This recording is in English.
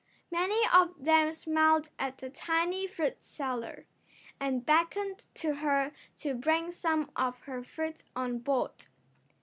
Many of them smiled at the tiny fruit seller, and beckoned to her to bring some of her fruit on board.